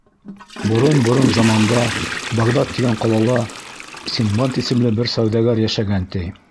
Борон-борон заманда Багдад тигән ҡалала Синдбад исемле бер сауҙагәр йәшәгән, ти.